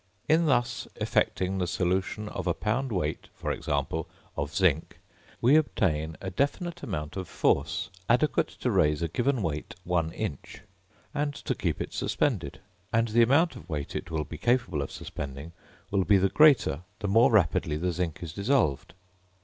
In thus effecting the solution of a pound weight, for example, of zinc, we obtain a definite amount of force adequate to raise a given weight one inch, and to keep it suspended; and the amount of weight it will be capable of suspending will be the greater the more rapidly the zinc is dissolved.